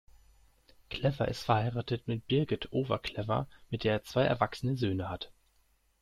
Clever ist verheiratet mit Birgit Over-Clever, mit der er zwei erwachsene Söhne hat.